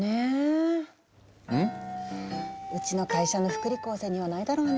うちの会社の福利厚生にはないだろうな。